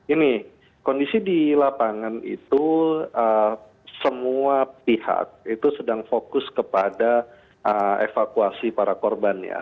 ini kondisi di lapangan itu semua pihak itu sedang fokus kepada evakuasi para korban ya